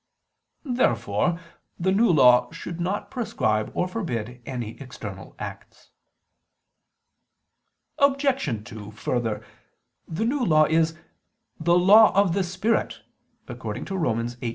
Therefore the New Law should not prescribe or forbid any external acts. Obj. 2: Further, the New Law is "the law of the Spirit" (Rom. 8:2).